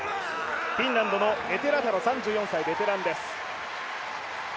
フィンランドのエテラタロ、３４歳、ベテランです。